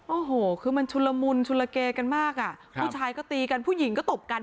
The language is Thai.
โอ้โหคือมันชุนละมุนชุลเกกันมากอ่ะผู้ชายก็ตีกันผู้หญิงก็ตบกัน